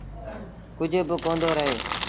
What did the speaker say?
ڪجھ با ڪوندو رهي۔